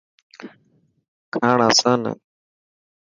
کاڻ آسان هي.